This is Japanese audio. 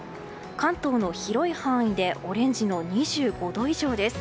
関東の広い範囲でオレンジの２５度以上です。